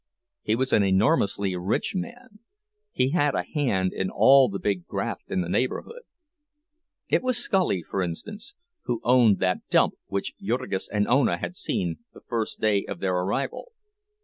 He was an enormously rich man—he had a hand in all the big graft in the neighborhood. It was Scully, for instance, who owned that dump which Jurgis and Ona had seen the first day of their arrival.